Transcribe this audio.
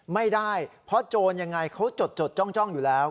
ไม่ได้เพราะโจรยังไงเขาจดจ้องอยู่แล้ว